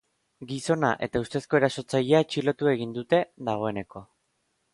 Gizona eta ustezko erasotzailea atxilotu egin dute, dagoeneko.